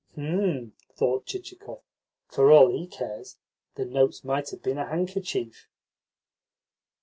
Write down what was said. "Hm!" thought Chichikov. "For all he cares, the notes might have been a handkerchief."